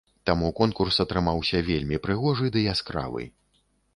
Таму конкурс атрымаўся вельмі прыгожы ды яскравы.